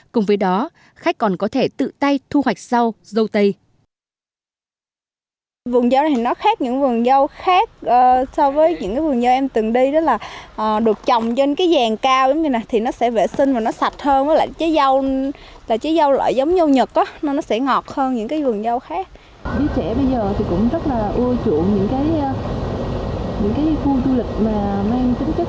cùng với đó khách còn có thể tự tay thu hoạch rau râu tây